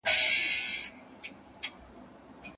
نکاح او واده بايد په علني توګه وسي.